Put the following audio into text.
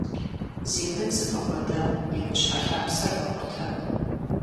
Зи бын зыфӀэкӀуэдам и гущхьэлъапсэр мэкъутэ.